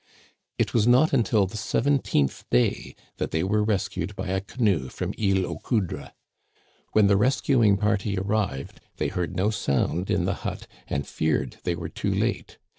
It was not until the seventeenth day that they were rescued by a canoe from Isle aux Coudres. When the rescuing party arrived they heard no sound in the hut, and feared they were too late.